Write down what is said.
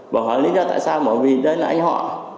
bảo hỏi lý do tại sao bảo vì đây là anh họ